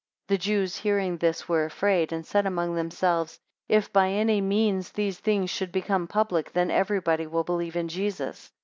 15 The Jews hearing this, were afraid, and said among themselves, If by any means these things should become public, then everybody will believe in Jesus.